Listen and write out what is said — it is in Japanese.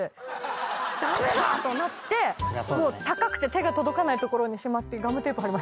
駄目だ！となってもう高くて手が届かない所にしまってガムテープ貼りました。